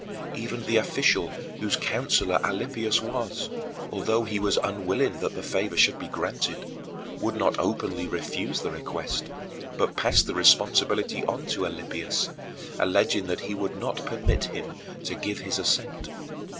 Even the official whose counselor Alypius was although he was unwilling that the favor should be granted would not openly refuse the request, but passed the responsibility on to Alypius, alleging that he would not permit him to give his assent.